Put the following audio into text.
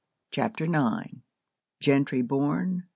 CHAPTER IX. GENTRY BORN.